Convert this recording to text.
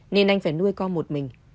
nên anh phải nuôi con một mình